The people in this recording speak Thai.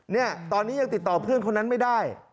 เนี่ยตอนนี้ยังติดต่อเพื่อนคนนั้นไม่ได้